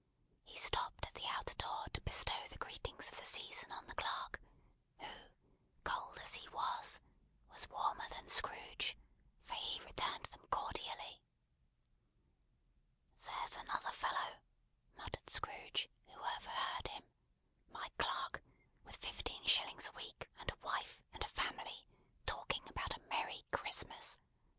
He stopped at the outer door to bestow the greetings of the season on the clerk, who, cold as he was, was warmer than Scrooge; for he returned them cordially. "There's another fellow," muttered Scrooge; who overheard him: "my clerk, with fifteen shillings a week, and a wife and family, talking about a merry Christmas.